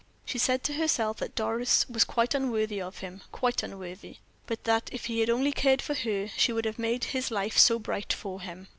She said to herself that Doris was quite unworthy of him quite unworthy; but that if he had only cared for her, she would have made his life so bright for him.